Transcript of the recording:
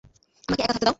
আমাকে একা থাকতে দাও!